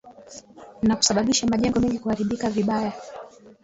na kusabisha majengo mengi kuharibika vibaya